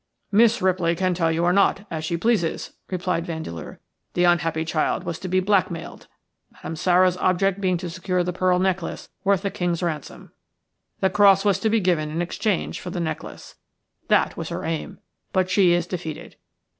"Miss Ripley can tell you or not, as she pleases," replied Vandeleur. "The unhappy child was to be blackmailed, Madame Sara's object being to secure the pearl necklace worth a King's ransom. The cross was to be given in exchange for the necklace. That was her aim, but she is defeated.